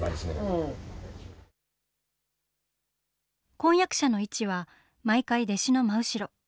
婚約者の位置は毎回、弟子の真後ろ。